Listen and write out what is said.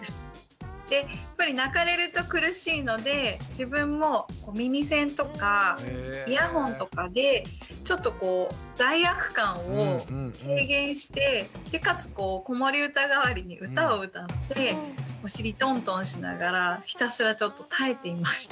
でやっぱり泣かれると苦しいので自分も耳栓とかイヤホンとかでちょっと罪悪感を軽減してかつ子守歌代わりに歌を歌ってお尻トントンしながらひたすらちょっと耐えていました。